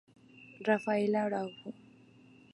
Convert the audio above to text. Rafael Araujo